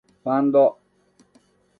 ファンド